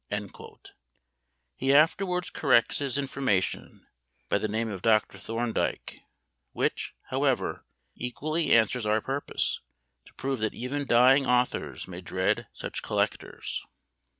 He afterwards corrects his information, by the name of Dr. Thorndyke, which, however, equally answers our purpose, to prove that even dying authors may dread such collectors!